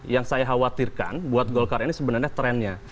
yang saya khawatirkan buat golkar ini sebenarnya trennya